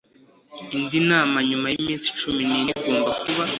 indi nama nyuma y iminsi cumi n ine igomba kuba